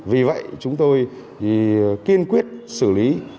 vì vậy chúng tôi kiên quyết xử lý